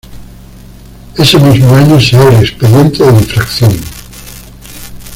Ese mismo año se abre expediente de infracción.